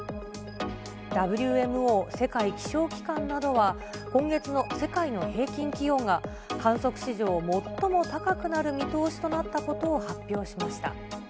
ＷＭＯ・世界気象機関などは、今月の世界の平均気温が観測史上最も高くなる見通しとなったことを発表しました。